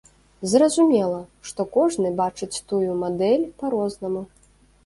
Зразумела, што кожны бачыць тую мадэль па-рознаму.